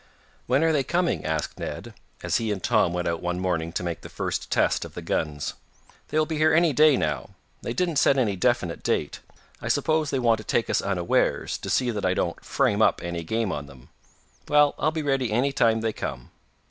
"When are they coming?" asked Ned, as he and Tom went out one morning to make the first test of the guns. "They will be here any day, now. They didn't set any definite date. I suppose they want to take us unawares, to see that I don't 'frame up' any game on them. Well, I'll be ready any time they come.